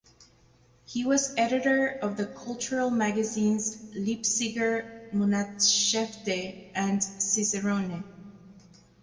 He was editor of the cultural magazines "Leipziger Monatshefte" and "Cicerone".